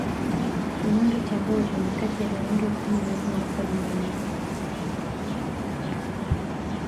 kimondo cha mbozi ni Kati ya vimondo kumi vilivyoanguka duniani